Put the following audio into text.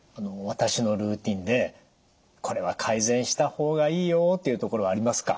私のルーティンでこれは改善した方がいいよというところはありますか？